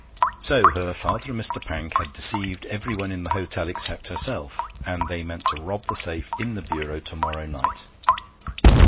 So her father and Mr. Pank had deceived everyone in the hotel except herself, and they meant to rob the safe in the bureau to morrow night.